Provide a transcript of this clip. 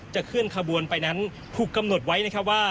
เคลื่อนขบวนไปนั้นถูกกำหนดไว้นะครับว่า